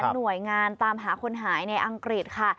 หน่วยงานตามหาคนหายในอังกฤษค่ะ